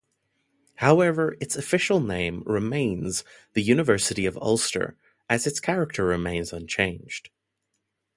However its official name remains the University of Ulster as its charter remains unchanged.